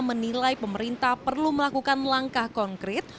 menilai pemerintah perlu melakukan langkah konkret